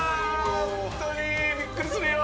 本当にびっくりするよ！